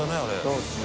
そうですね。